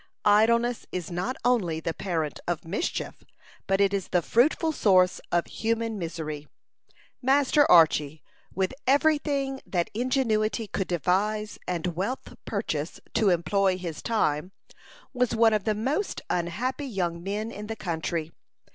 Idleness is not only the parent of mischief, but it is the fruitful source of human misery. Master Archy, with every thing that ingenuity could devise and wealth purchase to employ his time, was one of the most unhappy young men in the country.